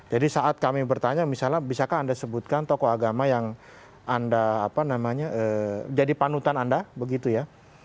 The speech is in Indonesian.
jadi saat kami bertanya misalnya bisakah anda sebutkan tokoh agama yang anda apa namanya jadi panutan anda begitu ya